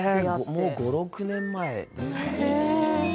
もう５６年前ですかね。